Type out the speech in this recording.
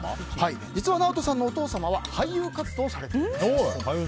実はＮＡＯＴＯさんのお父様は俳優活動をされています。